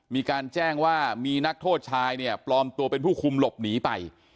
มีการแจ้งว่ามีนักโทษชายเนี่ยปลอมตัวเป็นผู้คุมหลบหนีไป